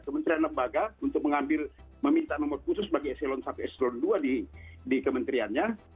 kementerian lembaga untuk mengambil meminta nomor khusus bagi eselon i eselon ii di kementeriannya